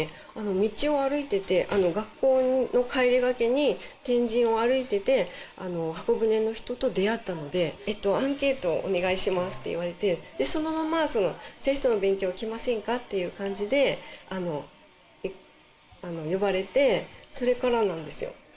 道を歩いてて学校の帰りがけに天神を歩いてて方舟の人と出会ったのでアンケートをお願いしますって言われてそのまま聖書の勉強来ませんか？っていう感じで呼ばれてそれからなんですよ